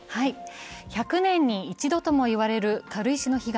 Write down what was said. １００年に一度とも言われる軽石の被害。